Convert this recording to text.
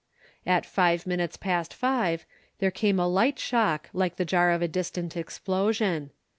At five minutes past five, there came a light shock like the jar of a distant explosion.